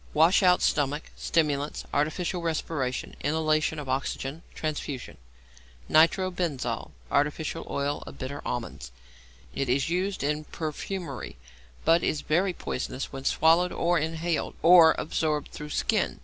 _ Wash out stomach; stimulants, artificial respiration, inhalation of oxygen, transfusion. =Nitro benzol= (Artificial Oil of Bitter Almonds). It is used in perfumery, but is very poisonous when swallowed, or inhaled, or absorbed through skin.